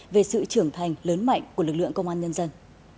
về sự trưởng thành lớn mạnh của lực lượng công an nhân dân